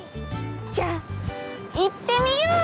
じゃあいってみよう！